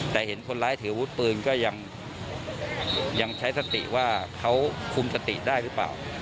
แต่เห็นคนร้ายถืออาวุธปืนก็ยังใช้สติว่าเขาคุมสติได้หรือเปล่า